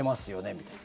みたいな。